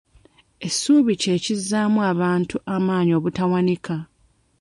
Essuubi kye kizzaamu abantu amaanyi obutawanika.